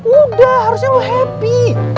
udah harusnya lu happy